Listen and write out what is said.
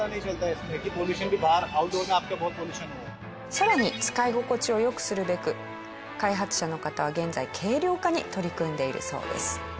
更に使い心地を良くするべく開発者の方は現在軽量化に取り組んでいるそうです。